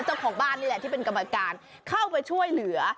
เจ้าของบ้านนี่แหละที่เป็นกรรมการเข้าไปช่วยเหลือ